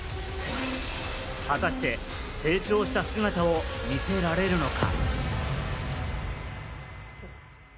果たして成長した姿を見せられるのか。